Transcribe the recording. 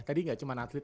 tadi gak cuma atlet